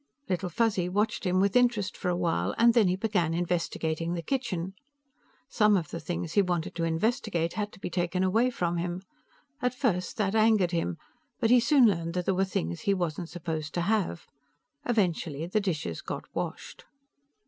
Little Fuzzy watched him with interest for a while, and then he began investigating the kitchen. Some of the things he wanted to investigate had to be taken away from him; at first that angered him, but he soon learned that there were things he wasn't supposed to have. Eventually, the dishes got washed.